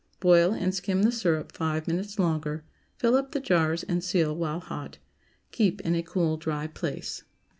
Boil and skim the syrup five minutes longer, fill up the jars, and seal while hot. Keep in a cool, dry place.